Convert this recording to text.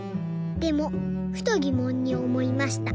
でもふとぎもんにおもいました。